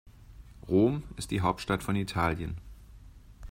Rom ist die Hauptstadt von Italien.